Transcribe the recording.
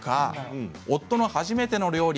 夫の初めての料理